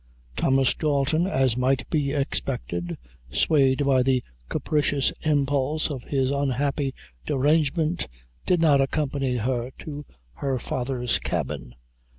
Thomas Dalton as might be expected, swayed by the capricious impulse of his unhappy derangement, did not accompany her to his father's cabin.